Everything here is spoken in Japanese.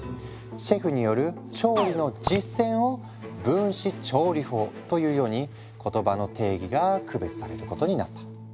シェフによる調理の実践を「分子調理法」というように言葉の定義が区別されることになった。